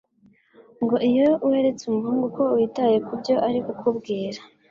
Ngo iyo weretse umuhungu ko witaye ku byo ari kukubwira